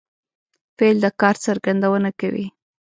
فعل د کار څرګندونه کوي.